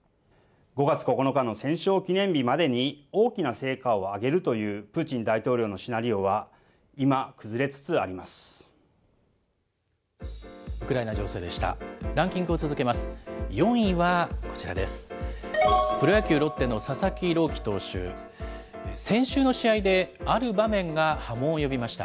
５月９日の戦勝記念日までに大きな成果を上げるというプーチン大統領のシナリオは、今、崩れつつあります。